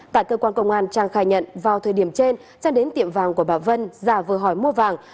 tại cơ quan công an trang khai nhận vào thời điểm trên trang đến tiệm vàng của bà vân giả vừa hỏi mua vàng